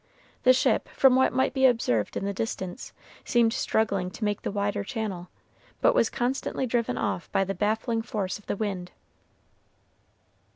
The ship, from what might be observed in the distance, seemed struggling to make the wider channel, but was constantly driven off by the baffling force of the wind.